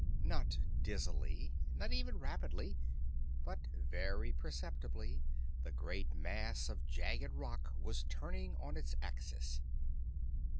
Not dizzily, not even rapidly, but very perceptibly, the great mass of jagged rock was turning on its axis.